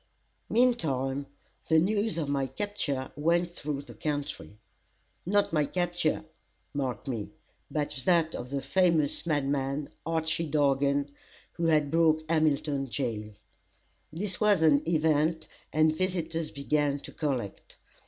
Meantime, the news of my capture went through the country; not my capture, mark me, but that of the famous madman, Archy Dargan, who had broke Hamilton jail. This was an event, and visitors began to collect.